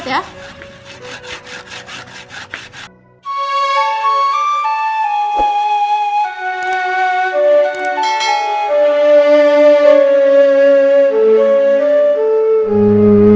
ya lho nganggul aja sudah